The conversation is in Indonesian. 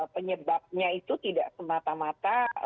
penyebabnya itu tidak semata mata